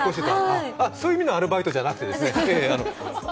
あ、そういう意味のアルバイトじゃなくて。